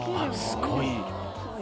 すごい。